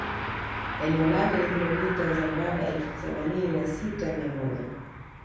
Eneo lake ni kilometa za mraba elfu themanini na sita mia moja